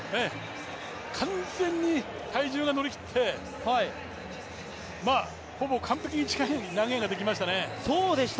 完全に体重が乗り切ってほぼ完璧に近い投げができましたね。